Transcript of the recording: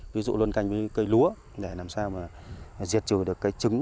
ví dụ luân canh với cây lúa để làm sao mà diệt trừ được cây trứng